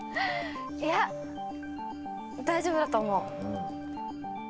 いや大丈夫だと思う。